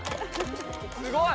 すごい。